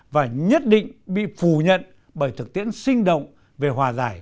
và nhất định bị phù nhận bởi thực tiễn sinh động về hòa giải